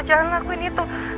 jangan ngelakuin itu